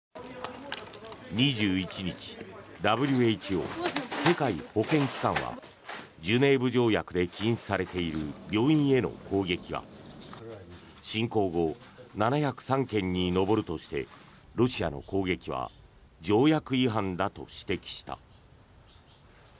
２１日ＷＨＯ・世界保健機関はジュネーブ条約で禁止されている病院への攻撃が侵攻後７０３件に上るとしてロシアの攻撃は条約違反だと指摘した。